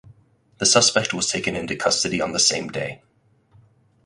The suspect was taken into custody on the same day.